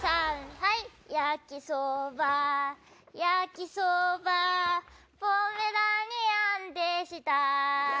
はい、焼きそば、焼きそば、ポメラニアンでした。